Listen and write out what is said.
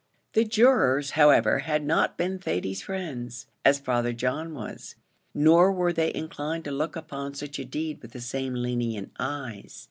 The jurors, however, had not been Thady's friends, as Father John was, nor were they inclined to look upon such a deed with the same lenient eyes.